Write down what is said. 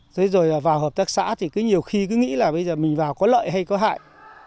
thế rồi vào hợp tác xã thì cứ nhiều khi cứ nghĩ là bây giờ mình vào có lợi hay có hại